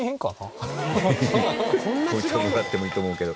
「もうちょいもらってもいいと思うけど」